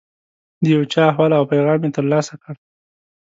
د یو چا احوال او پیغام یې ترلاسه کړ.